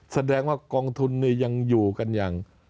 แสดงว่ากองทุนนี่ยังอยู่กันอย่าง